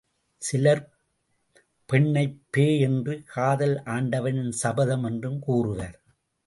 சிலர் பெண்ணைப் பேய் என்றும் காதல், ஆண்டவனின் சாபம் என்றும் கூறுவர்.